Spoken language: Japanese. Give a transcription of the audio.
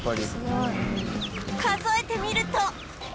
数えてみると